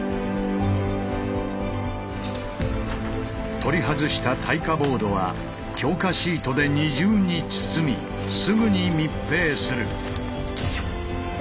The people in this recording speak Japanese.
取り外した耐火ボードは強化シートで二重に包みすぐに密閉する。